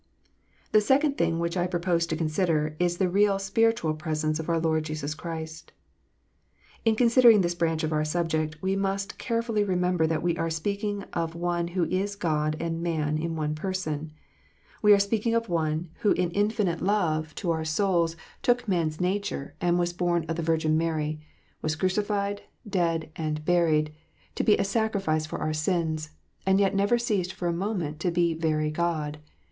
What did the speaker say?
The second thing which I propose to consider, is the real spiritual presence of our Lord Jesus Christ. In considering this branch of our subject, we must carefully remember that we are speaking of One who is God and man in one Person. We are speaking of One who in infinite love 196 KNOTS UNTIED. to our souls, took man s nature, and was born of the Virgin Mary, was crucified, dead, and buried, to be a sacrifice for sins, and yet never ceased for a moment to be very God.